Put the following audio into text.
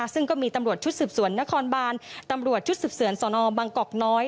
ซึ่งก็มีตำรวจชุดสืบสวนนครบานตำรวจชุดสืบสวนสนบังกอกน้อย